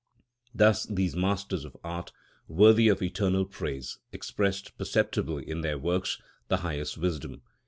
Thus these masters of art, worthy of eternal praise, expressed perceptibly in their works the highest wisdom.